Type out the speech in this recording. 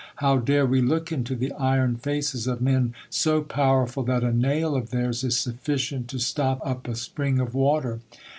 How dare we look into the iron faces of men so powerful that a nail of theirs is sufficient to stop up a spring of water!"